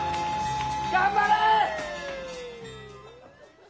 頑張れ！